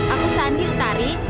aku sandi utari